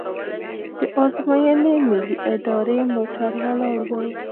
د ازموینې ملي ادارې موټر ولاړ و.